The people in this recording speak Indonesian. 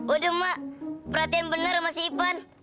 aduh mak perhatian bener sama si ipan